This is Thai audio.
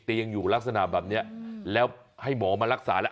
ยังอยู่ลักษณะแบบนี้แล้วให้หมอมารักษาแล้ว